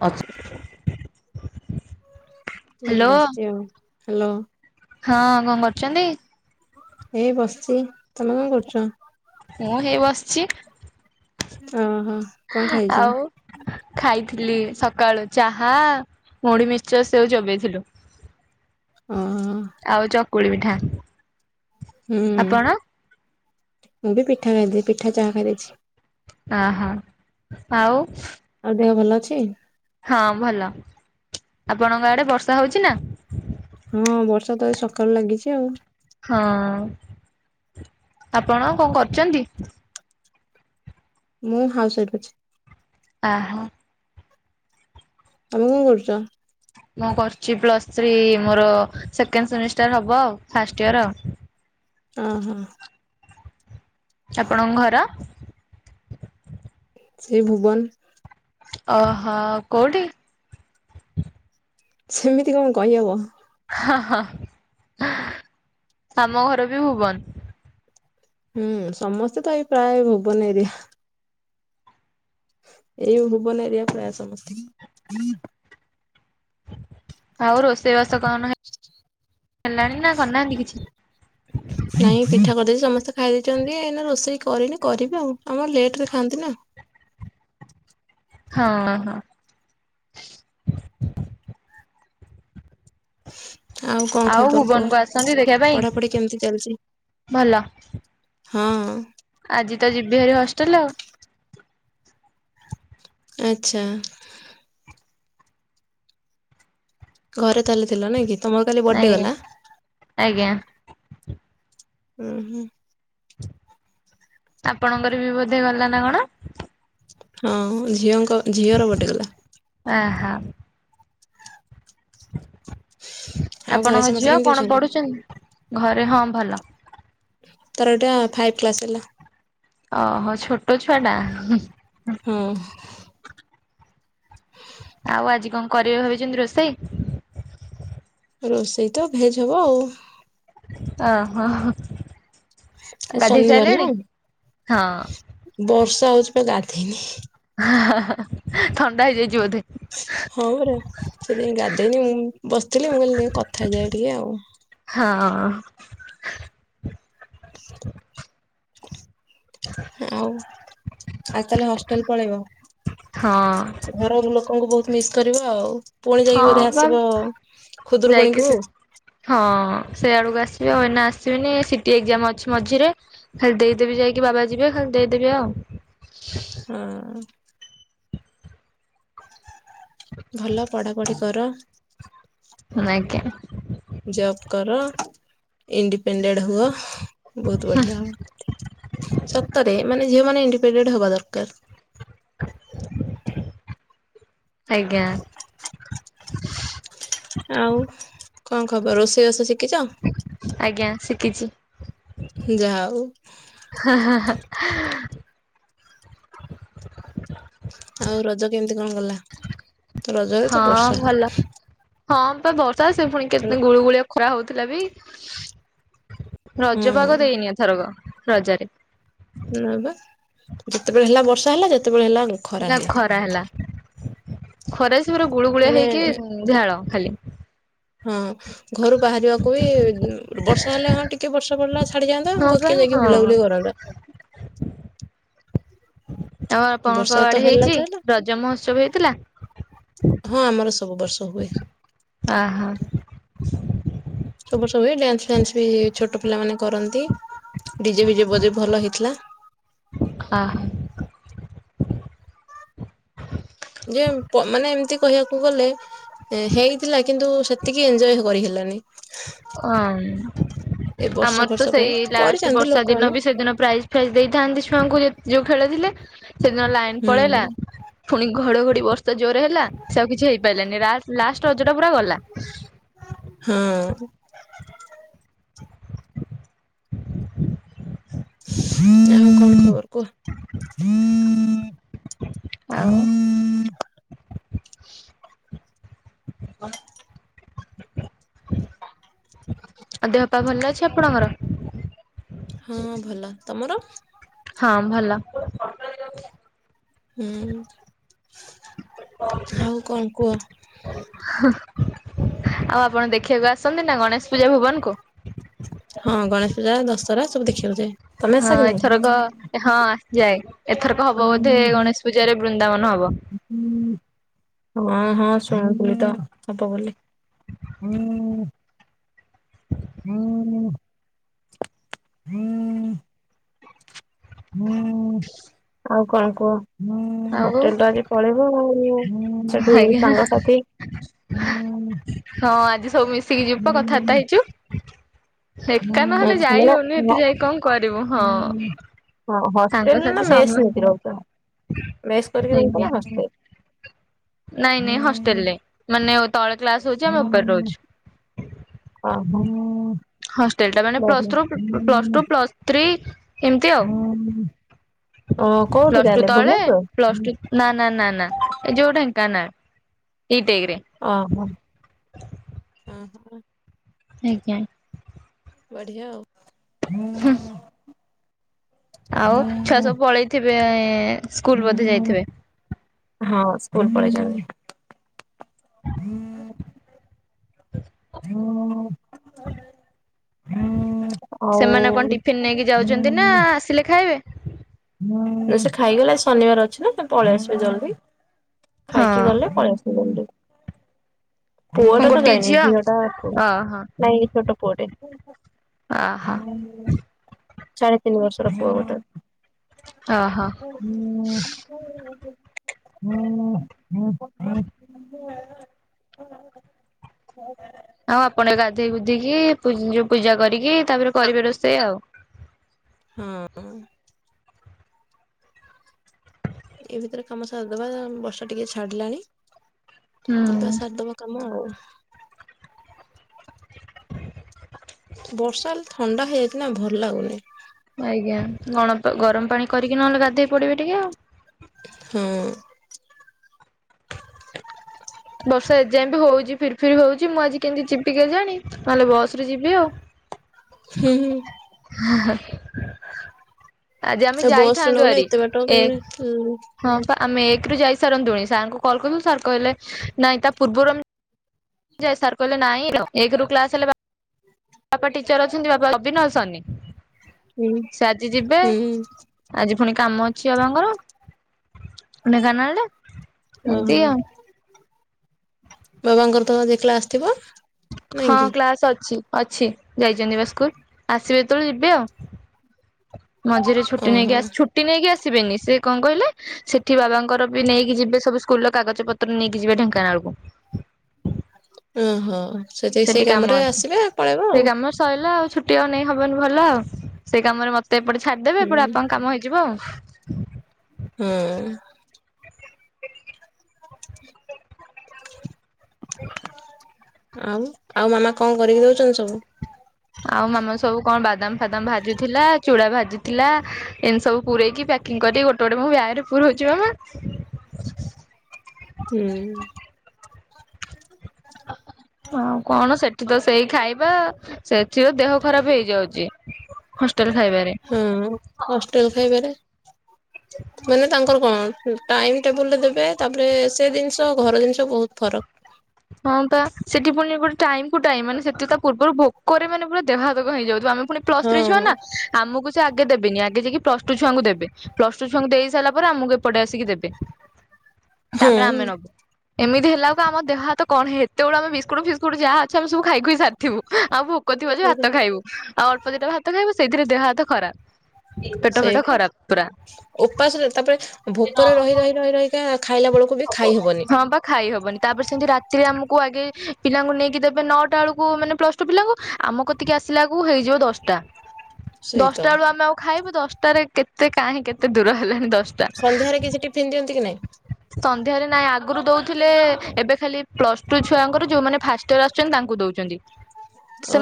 ଆ [unintelligible] ସେ ବସିଛ ଆଉ, ହାଲୋ ହଁ କଣ କରୁଛନ୍ତି? ଏଇ ବସିଛି, ତମେ କଣ କରୁଛ? ମୁଁ ହେଇ ବସିଛି । ଓହୋ କଣ ଖାଇଛ? ଖାଇଥିଲି ସକାଳୁ ଚାହା, ମୁଢ଼ି, ମିକ୍ସର, ସେଉ ଚୋବେଇଥିଲୁ । [inaudible] ଓହୋ ଆଉ ଚକୁଳି ପିଠା। ହୁଁ, ଆପଣ ମୁଁ ବି ପିଠା ଖାଇଦ ପିଠା ଚା ଖାଇଦେଇଛି। ଆହା ଆଉ। ଛି। ହଁ ଭଲ, ଆପଣଙ୍କ ଆଡେ ବର୍ଷା ହଉଛି ନା? ହଁ ବର୍ଷା ତ ଏ ସକାଳୁ ଲାଗିଛି ଆଉ ହଁ ଆପଣ କଣ କରୁଛନ୍ତି? ମୁଁ ହାଉସ୍ ୱାଇଫ୍ ଅଛି। ଆ ହ। ତମେ କଣ କରୁଛ? ମୁଁ କରୁଛି ପ୍ଲସଥ୍ରୀ, ମୋର ସେକେଣ୍ଡ ସେମିଷ୍ଟାର ହବ ଆଉ ଫାଷ୍ଟ ଇୟର ଆଉ। ଓ ହୋ। ଆପଣଙ୍କ ଘର? ସେ ଭୁବନ। ଓ ହୋ କୋଉଠି? ସେମିତି କଣ କହିହବ? ହ ହ, ଆମ ଘର ବି ଭୁବନ। ହୁଁ ସମସ୍ତେ ତ ଏଇ ପ୍ରାୟ ଭୁବନ ଏରିଆ। ଏଇ ଭୁବନ ଏରିଆ ପ୍ରାୟ ସମସ୍ତେ। ଆଉ ରୋଷେଇବାସ କଣ? ହେଲଣି ନା କରନାହାନ୍ତି କିଛି। ନାଇଁ ପିଠା କରିଦେଇଛି, ସମସ୍ତେ ଖାଇ ଦେଇଛନ୍ତି, ଏଇ ରୋଷେଇ କରିନି, କରିବି ଆଉ, ଆମର ଲେଟରେ ଖାଆନ୍ତି ନା। ହଁ ହଁ। ଆଉ କଣ ଖବର କୁହ? ଭୁବନକୁ ଆସନ୍ତି ଦେଖିବା ପାଇଁ ପଢାପଢି କେମିତି ଚାଲିଛି? ଭଲ। ହଁ। ଆଜି ତ ଯିବି ହେରିି ହଷ୍ଟେଲ ଆଉ। ଆଛା । ଘରେ ତାହେଲେ ଥିଲ ନାଇଁ କି? ତମର କାଲି ବର୍ଥଡେ ଆଜ୍ଞା ଗଲା। ଆଜ୍ଞା। ହୁଁ ହୁଁ। ଆପଣଙ୍କର ବି ବୋଧେ ଗଲା ନା କଣ? ହଁ ଝିଅଙ୍କ, ଝିଅର ବର୍ଥଡେ ଗଲା। ଆହା । ଆଉ ଘରେ ଆପଣଙ୍କ ସମସ୍ତେ ଝିଅ କେମିତି କଣ ଅଛନ୍ତି? ପଢୁଛନ୍ତି? ଘରେ ହଁ ଭଲ। ତାର ଏଟା ଫାଇଭ କ୍ଲାସ ହେଲା। ଓହୋ ଛୋଟ ଛୁଆଟା। ହଁ। ଆଉ ଆଜି କଣ କରିବେ ଭାବିଛନ୍ତି, ରୋଷେଇ? ରୋଷେଇ ତ ଭେଜ୍ ହବ ଆଉ। ଓହୋ। ଗାଧେଇ ଶନିବାର ନା ସାରିଲେଣି? ହଁ ବର୍ଷା ହଉଛି ପା ଗାଧେଇନି। ହାଁ ହାଁ ଥଣ୍ଡା ହେଇଯାଇଛି ବୋଧେ? ହଁ ପରା ସେଥିପାଇଁ ଗାଧେଇନି ମୁଁ। ବସିଥିଲି ମୁଁ କହିଲି ନାଇ କଥା ହେଇଯାଏ ଟିକେ ଆଉ। ହଁ। ଆଉ ଆ ତାହେଲେ ହଷ୍ଟେଲ ପଳେଇବ। ହଁ ଘର ଲୋକଙ୍କୁ ବହୁତ ମିସ୍ କରିବ ଆଉ। ପୁଣି ଯାଇକି ହଁ ବୋଧେ ବା ଆସିବ ଖୁଦରୁକୁଣୀକୁ? ସେଇଆଡ଼ କୁ ଆସିବି ଆଉ ଏଇନା ଆସିବିନି ସିଟି ଏକ୍ଜାମ ଅଛି ମଝିରେ ଖାଲି ଦେଇଦେବି ଯାଇକି ବାବା ଯିବେ ଖାଲି ଦେଇଦେବି ଆଉ। ହଁ। ଭଲ ପଢ଼ାପଢ଼ି କର। ଆଜ୍ଞା ଜବ୍ କର ଇଣ୍ଡିପେଣ୍ଡେଣ୍ଟ ହୁଅ। ବହୁତ ବଢ଼ିଆ ସତରେ ମାନେ ଝିଅ ମାନେ ଇଣ୍ଡିପେଣ୍ଡେଣ୍ଟ ହବା ଦରକାର। ଆଜ୍ଞା। ଆଉ କଣ ଖବର ରୋଷେଇ ବାସ ଷି ଆଜ୍ଞା ଶିଖିଚି। ଯାହା ହଉ ହାଁ ହାଁ ହାଁ ଆଉ ରଜ କେମିତି କଣ ଗଲା ରଜରେ ହଁ ତ ବର୍ଷା ଭଲ। ହଁ ତ ବର୍ଷା ସେ ପୁଣି କେତ ଗୁଳୁ ଗୁଳିଆ ଖରା ହଉଥିଲା ବି ରଜ ପାଗ ହୁଁ ଦେଇନି ଏଥରକ ରଜରେ। ହବା ଯେତେବେଳେ ହେଲା ବର୍ଷା ହେଲା ଯେତେବେଳେ ହେଲା ଖରା ହେଲା। ଖରା ସ ପୁରା ଗୁଳୁ ଗୁଳିଆ ମାନେ ହେଇକି ଝାଳ ଖାଲି। ହଁ ଘରୁ ବାହାରିବାକୁ ବି ବର୍ଷା ହେଲେ ହଁ ଟିକେ ବର୍ଷା ପଡ଼ିଲା ଛାଡି ଯାଆନ୍ତା ହଁ ବା ଘରିକି ଯାଇକି ହଁ ବୁଲାବୁଲି କରନ୍ତ। ଆଉ ଆପଣଙ୍କ ତ ଆଡ଼େ ହେଲା ହେଇଛି ତ ହେଲା ରଜ ମହୋତ୍ସବ ହେଇଥିଲା? ହଁ ଆମର ସବୁ ବର୍ଷ ହୁଏ। ଆହା ସବୁ ସବୁ ଡ୍ୟାନ୍ସ ଫାନ୍ସ୍ ବି ଛୋଟ ପିଲା ମାନେ କରନ୍ତି। ଡ଼ିଜେ ଫିଜେ ବଜେ ଭଲ ହେଇଥିଲା। ଆହା ଯେ ମାନେ ଏମିତି କହିବାକୁ ଗଲେ ହେଇଥିଲା କିନ୍ତୁ ସେତିକି ଏଞଜୟ କରିହେଲା ଅ ଏ ବର୍ଷା ଆମର ତ ଫର୍ଷା ପାଇଁ ସେଇ ଲାଷ୍ଟ କରିଛନ୍ତି ବର୍ଷା ଦିନ ଲୋକମାନେ ବି ସେଦିନ ପ୍ରାଇଜ୍ ଫାଇଜ୍ ଦେଇଥାନ୍ତେ ଛୁଆଙ୍କୁ ଯୋଉଁ ଖେଳଥିଲେ ସେଦିନ ଲାଇନ ପଳେଇଲା ହୁଁ ପୁଣି ଘଡଘଡି ବର୍ଷା ତ ଜୋରରେ ହେଲା ସେ ଆଉ କିଛି ହେଇପାରିଲାନି ଲା ଲାଷ୍ଟ ରଜ ଟା ପୁରା ଗଲା। ହଁ ଆଉ ଆଉ କଣ ଖବର କୁହ? ହୁଁ ହ [unintelligible] ଆଉ ଦେହ ପା ଭଲ ଅଛି ଆପଣଙ୍କର? ହଁ ଭଲ! ତମର? ହଁ ଭଲ। ହୁଁ ଆଉ କଣ କୁହ? ଆଉ ଆପଣ ଦେଖିବାକୁ ଆସନ୍ତି ନା ଗଣେଶ ପୂଜା ଭୁବନ କୁ? ହଁ ଗଣେଶ ପୂଜା ଦଶହରା ସବୁ ଦେଖିବାକୁ ଯାଏ। ତମେ ଆସ ହଁ କି ନାଇଁ? ଏଥରକ ହଁ ଆସି ଯାଏ ଏଥରକ ହବ ବୋଧେ ଗଣେଶ ପୂଜାରେ ବୃନ୍ଦାବନ ହବ। ବ। ହଁ ହଁ ଶୁଣୁଥିଲି ତ ହବ ବୋଲି। ହୁଁ ହୁଁ ହୁଁ ଆଉ କଣ କୁହ ହୁଁ ଆଉ ହୋଟେଲ ତ ଆଜି ପଳେଇବ ଆଉ। ସବୁ ହେଇ ଆଜ୍ଞା ସାଙ୍ଗ ସାଥି। ହଁ ଆଜି ସବୁ ମିଶିକି ଯିବୁ ପା କଥାବାର୍ତ୍ତା ହେଇଚୁ। ତୋ ଛୁଆ ପିଲା ଯାଇ କଣ କରିବୁ ହଁ। ହୁଁ। ହଷ୍ଟେଲ୍ ସାଙ୍ଗସାଥି ନା ସମ ମେସ୍ ନେଇକି ରହୁଥିଲ। ମେସ୍ କରିକି ଆଜ୍ଞା ରହୁଛ ହଷ୍ଟେଲ ନାଇଁ ନାଇଁ ହଷ୍ଟେଲରେ ମାନେ ତଳେ କ୍ଲାସ ହଉଚି ଆମ ଉପରେ ରହୁଛୁ। ଓ ହୋ। ହଷ୍ଟେଲ ଟା ମାନେ plus three plus two plus three. ହଁ ପ୍ଲସ ଟୁ ତଳେ ପ୍ଲସ ଟୁ ନା ନା ନା ନା ଏ ଯୋଉଟା ନା ନା। ଓ ହୋ ଅଁ ହଁ। ଆଜ୍ଞା। ବଢିଆ ଆଉ। ହୁଁ। ଆଉ ଛୁଆ ସବୁ ପଳେଇଥିବେ ସ୍କୁଲ ବୋଧେ ଯାଇଥିବେ। ହଁ ସ୍କୁଲ ପଳେଇଚନ୍ତି । ସେମାନେ କଣ ହୁଁ ଟିଫିନ ନେଇକି ଯାଉଛନ୍ତି ନା ଆସିଲେ ଖାଇବେ ଆଉ ଯେ ସେ ଖାଇଗଲା ଶନିବାର ଅଛି ନା ସେ ପଳେଇ ଆସିବ ଜଲଦି। ହଁ ଖାଇକି ଗଲେ ପଳେଇ ଆସିବ ଜଲଦି। ପୁଅଟା ତ ଗୋଟିଏ ଜାଇନି ଝିଅ ଝିଅଟା ଆଉ କଣ ଓହୋ ନାଇଁ ଛୋଟ ପୁଅଟେ। ଓ ହୋ। ସାଢେ ତିନି ବର୍ଷର ପୁଅ ଗୋଟେ ଓହୋ। । ହୁଁ ହଁ ହଁ ଆଉ ଆପଣ ଗାଧେଇ ଗୁଧିକି ପୂଜ ଯୋଉ ପୂଜା କରିକି ତାପରେ କରିବେ ରୋଷେଇ ଆଉ। ହଁ। ଏଇ ଭିତରେ କାମ ସାରିଦବା ବର୍ଷା ଟିକେ ଛାଡିଲାଣି। ହୁଁ ଯିବା ସାରଦବା କାମ ଆଉ। ବର୍ଷା ହେଲେ ଥଣ୍ଡା ହେଇଯାଇଚି ନା ଭଲ ଲାଗୁନି। ଆଜ୍ଞା ଗଣ ଗରମ ପାଣି କରିକି ନହେଲେ ଗାଧେଇ ପଡିବେ ଟିକେ ଆଉ। ହୁଁ। ବର୍ଷା ଏଯାଏଁ ବି ହଉଛି ଫିର ଫିରି ହଉଚି। ମୁଁ ଆଜି କେମିତି ଯିବିି କେଜାଣି? ନହେଲେ ବସ ରେ ଯିବି ଆଉ। ହୁଁ ହୁଁ। ଆଜି ଆମେ ଆଉ ବସ ରେ ଯାଇଥାନ୍ତୁ ନଗଲେ ଆରି ଏତେ ବାଟ ଏ କେମିତି ହପା। ଆମେ ଏକରୁ ଯାଇସାରନ୍ତୁଣି। ସାରଙ୍କୁ କଲ୍ କଲୁ ସାର୍ କହିଲେ ନାଇଁ ତା ପୂର୍ବରୁ ଆମେ ଯା ସାର କହିଲେ ନାଇଁ ଏକରୁ କ୍ଲାସ ହେଲେ ବା ବାପା ଟିଚର ଅଛନ୍ତି ବାପା ଅବିନର ସରନି। ହୁଁ ସେ ଆଜି ଯିବେ ହୁଁ ଆଜି ପୁଣି କାମ ଅଛି ବାବାଙ୍କର ଢେଙ୍କାନାଳରେ। ଓହୋ ଏନିତି ଆଉ। ବାବାଙ୍କର ତ ଦେଖିଲେ ଆସିଥିବ। ହଁ କ୍ଲାସ ଅଛି। ଅଛି ଯାଇଛନ୍ତି ବା ସ୍କୁଲ ଆସିବେ ଯେତେବେଳେ ଯିବେ ଆଉ। ମଝିରେ ଛୁଟି ନେଇକି ଓହୋ ଆ ଛୁଟି ନେଇକି ଆସ ଆସିବେନି ସେ କଣ କହିଲେ? ସେଠି ବାବାଙ୍କର ବି ନେଇକି ଯିବେ ସବୁ ସ୍କୁଲ ର କାଗଜ ପତ୍ର ନେଇକି ଯିବେ ଢେଙ୍କାନାଳକୁ। ଓହୋ। ସିଏ ତ ସେଠି ସେଇ କାମ କାମରେ ଆସିବେ ପଳେଇବ ଆଉ। ହେଟି ଆଉ ନେଇ ହବନି ଭଲ। ସେଇ କାମରେ ମତେ ଏପଟେ ଛାଡିଦେବେ। ଏପଟେ ହୁଁ ବାପାଙ୍କ କାମ ହେଇଯିବ ଆଉ। ହଁ ହୁଁ। ଦେଖିକି [inaudible] ଆଉ ଆଉ ମାମା କଣ କରିକି ଦଉଚନ୍ତି ସବୁ? ଆଉ ମାମା ସବୁ କଣ ବାଦାମ ଫାଦାମ ଭାଜିଥିଲା ଚୁଡା ଭାଜିଥିଲା ଏମିତି ସବୁ ପୂରେଇକି ପ୍ୟା ପ୍ୟାକିଂ କରିକି ଗୋଟେ ଗୋଟେ ମୋ ବ୍ୟାଗ ରେ ପୂରଉଚି ମାମା। ହୁଁ। ଆଉ କଣ ସେଠି ତ ସେଇ ଖାଇବା ସେଥିରୁ ଦେହ ଖରାପ ହେଇଯାଉଚି। ହୁଁ ହଷ୍ଟେଲ ଖାଇବାରେ ମାନେ ତାଙ୍କର କଣ ହୁଁ ଟାଇମ ଟେବୁଲରେ ଦେବେ ତାପରେ ସେ ଜିନିଷ ଘର ଜିନିଷ ବହୁତ ଫରକ। ହଁ ପା ସେଠି ପୁଣି ଗୋଟେ ଟାଇ କୁ ଟାଇମ ମାନେ ସେତୀ ତା ପୂର୍ବରୁ ଭୋକରେ ମାନେ ପୁରା ଦେହ ହାତ କଣ ହେଇଯାଉଥିବ ଆମେ ପୁଣି ପ୍ଲସ ହଁ ଥ୍ରି ଛୁଆ ନା ଆମକୁ ସେ ଆଗେ ଦେବେନି ଆଗେ ଯାଇକି ପ୍ଲସ ଟୁ ଛୁଆଙ୍କୁ ଦେବେ ପ୍ଲସ ଟୁ ଛୁଆଙ୍କୁ ଦେଇ ସାରିଲା ପରେ ଆମକୁ ଏପଟେ ଆସିକି ଦେବେ। ହ ତାପରେ ଆମେ ନବୁ ଏମିତି ହେଲା ବେଳକୁ ଆମ ଦେହ ହାତ କଣ ହେତେବେଳୁ ଆମ ବିସ୍କୁଟ ଫିସ୍କୁଟ ଯାହା ଅଛି ଆମେ ସବୁ ଖାଇ ଖୁଇ ସାରିଥିବୁ ଆଉ ଫୁ କରଥିବ ଯେ ଭାତ ଖାଇବୁ ଆଉ ଅଳ୍ପ ଦିଟା ଭାତ ଖାଇବୁ ସେଇଥିରେ ଦେହ ହାତ ଖରାପ। ପେଟ ଫେଟ ସେଇ ପା ଖରାପ ପୁରା। ଉପାସରେ ତାପରେ ଭୋକରେ ରହି ରହି ରହି ରହିକା ଖାଇଲା ବେଳକୁ ବି ଖାଇ ହବନି ହଁ ପା ଖାଇ ହବନି ତାପରେ ସେମତି ରାତିରେ ଆମୁକୁ ଆଗେ ପିଲାଙ୍କୁ ନେଇକି ଦେବେ ନଅଟା ବେଳକୁ ମାନେ ପ୍ଲସ ଟୁ ପିଲାଙ୍କୁ ଆମ କତିକି ଆସିଲା ବଳକୁ ହେଇଯିବ ଦଶଟା। ସେଇତ ଦଶଟା ବେଳୁ ଆମେ ଆଉ ଖାଇବୁ ଦଶଟାରେ କେତେ କାହିଁ କେତେ ଦୂର ହେଲାଣି ଦ ସନ୍ଧ୍ୟାରେ କିଛି ଟିଫିନ ଦିଅନ୍ତି କି ନାଇଁ? ସନ୍ଧ୍ୟାରେ ନାଇଁ ଆଗରୁ ଦଉଥିଲେ ଏବେ ଖାଲି ପ୍ଲସ ଟୁ ଛୁଆଙ୍କର ଯୋଉମାନେ ଫାଷ୍ଟ ଇୟର ଆସୁଚନ୍ତି ତା ଙ୍କୁ ଦଉଚନ୍ତି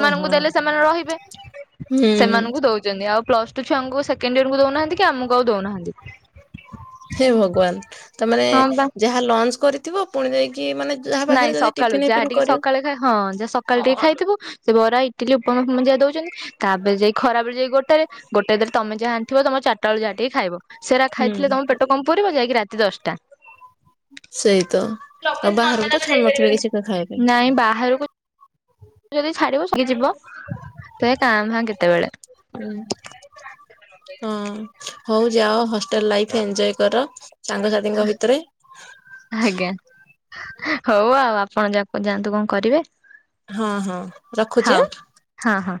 ଓହୋ ଦେଲେ ସେମାନେ ରହିବେ ହୁଁ ସେମାନଙ୍କୁ ଦଉଚନ୍ତି ଆଉ ପ୍ଲସ ଟୁ ଛୁଆକୁ ସେକେଣ୍ଡ ଇୟରକୁ ଦଉନାହାନ୍ତି କି ଆମକୁ ଆଉ ଦଉନାହାନ୍ତି। ହେ ଭଗବାନ ତମାନେ ହଁ ବା। ଯାହା ଲଞ୍ଚ କରିଥିବ ପୁଣି ଯାଇକି ମାନେ ଯାହା ନାଇଁ ପାଖରେ ଯଦି ସକାଳୁ ଟିଫିନ ଯାହା ଫିଫିନ ଟିକେ କରିବ ସକାଳୁ ଖା ହଁ ଜା ସକାଳୁ ଟିକେ ଖାଇଥିବୁ ସେ ବରା ଇଟିଲି ଉପମାସ ଫୁ ଯା ଦଉଚନ୍ତି ତାପରେ ଯାଇ ଖରାବେଳେ ଯାଇ ଗୋଟେରେ ଗୋଟେ ତୀରେ ତମେ ଯାହା ଆଣି ଥିବ ତମର ଚାରଟା ବେଳୁ ଯାହା ଟିକେ ଖାଇବ ସେରା ହୁଁ ଖାଇଥିଲେ ତମ ପେଟ କମ ପୁୁରିବ ଯାଇକି ରାତି ଦଶଟା। ସେଇତ ଆଉ ବାହାରୁକୁ ତ ଛାଡୁ ନଥିବେ କିଛିକା ଖାଇବା ନାଇଁ ବାହାରକୁ ପାଇଁ। ଯଦି ଛାଡିବୁ ସହି ଯିବ ତ ଏ କା ଭା କେତେବେଳେ ଉଁ ହଁ ହଉ ଯାଅ ହ ଟେ ଲାଇଫ ଏନଜୟ କର ସାଙ୍ଗସାଥିଙ୍କ ଭିତରେ। ଆଜ୍ଞା ହଉ ଆଉ ଆପଣ ଯା ଯାଆନ୍ତୁ କଣ କରିବେ ହଁ ହଁ ରଖୁଚି ହଉ ଆଁ। ହଁ ହଁ।